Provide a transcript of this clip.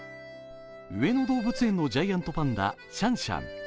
上野動物園のジャイアントパンダ・シャンシャン。